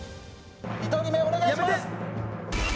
１人目お願いします。